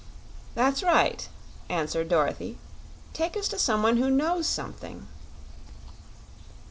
"That's right," answered Dorothy. "Take us to some one who knows something."